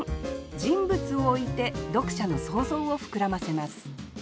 人物を置いて読者の想像を膨らませます